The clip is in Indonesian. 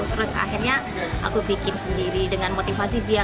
terus akhirnya aku bikin sendiri dengan motivasi dia